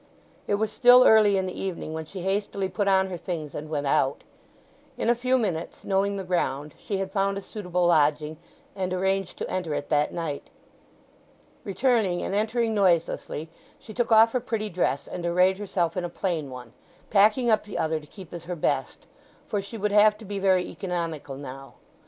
It was still early in the evening when she hastily put on her things and went out. In a few minutes, knowing the ground, she had found a suitable lodging, and arranged to enter it that night. Returning and entering noiselessly she took off her pretty dress and arrayed herself in a plain one, packing up the other to keep as her best; for she would have to be very economical now.